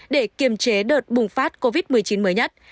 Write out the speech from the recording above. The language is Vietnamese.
để kiềm chế đợt bùng phát covid một mươi chín mới nhất